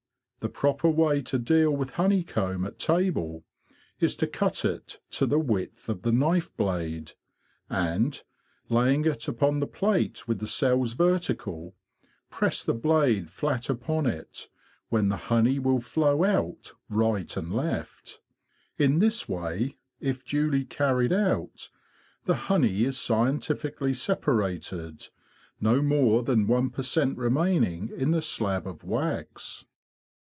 The proper way to deal with honeycomb at table is to cut it to the width of the knife blade; and, laying it upon the plate with the cells vertical, press the blade flat upon it, when the honey will flow out right and left. In this way, if duly carried out, the honey is scientifically separ ated, no more than one per cent remaining in the slab of wax.